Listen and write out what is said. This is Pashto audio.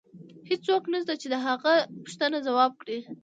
هیڅوک نشته چې د هغه پوښتنه ځواب کړي